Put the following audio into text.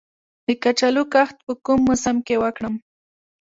د کچالو کښت په کوم موسم کې وکړم؟